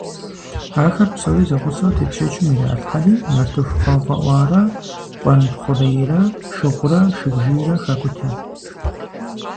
Ахэр псори зэгъусэу тепщэчым иралъхьэри, нартыху гъэфӀэӀуарэ къуэнтхъурейрэ, шыгъурэ шыбжийрэ хакӀутэ.